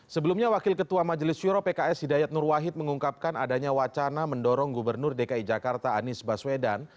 sebelumnya wakil ketua majelis syuro pks hidayat nur wahid mengungkapkan adanya wacana mendorong gubernur dki jakarta anies baswedan